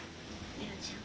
エラちゃん。